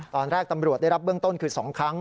ตอนแรกตำรวจได้รับเบื้องต้นคือ๒ครั้ง